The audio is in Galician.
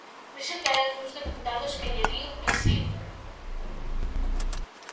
Vexo que hai algúns deputados que lle din que si.